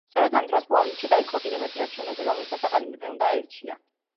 სწორედ ამ დროს პოლონეთში დაიწყო კიდევ ერთი არჩევნები, რომელსაც ახალი მეფე უნდა აერჩია.